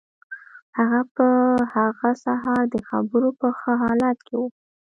هغه په هغه سهار د خبرو په ښه حالت کې و